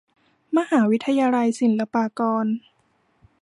มหาวิทยาลัยศิลปากร